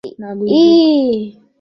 ii.